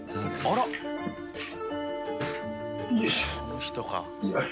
あの人か。